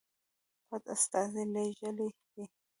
پټ استازي لېږلي دي.